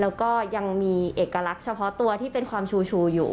แล้วก็ยังมีเอกลักษณ์เฉพาะตัวที่เป็นความชูชูอยู่